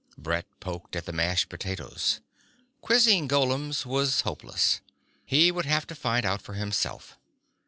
Brett poked at the mashed potatoes. Quizzing golems was hopeless. He would have to find out for himself.